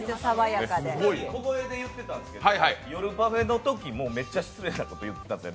小声で言ってたんですけど、夜パフェのときにもめっちゃ失礼なこと言ってたんですよ。